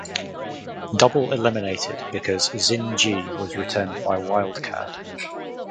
Double eliminated because Zin Gyi was returned by Wild Card.